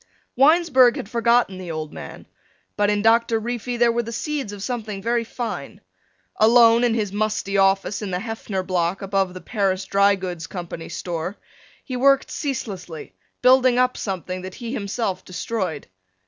Winesburg had forgotten the old man, but in Doctor Reefy there were the seeds of something very fine. Alone in his musty office in the Heffner Block above the Paris Dry Goods Company's store, he worked ceaselessly, building up something that he himself destroyed.